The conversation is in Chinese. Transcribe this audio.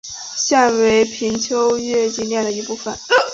现为平湖秋月景点的一部分。